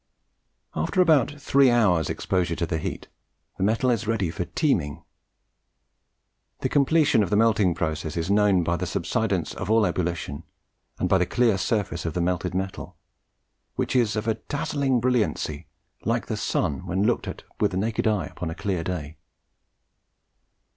After about three hours' exposure to the heat, the metal is ready for "teeming." The completion of the melting process is known by the subsidence of all ebullition, and by the clear surface of the melted metal, which is of a dazzling brilliancy like the sun when looked at with the naked eye on a clear day.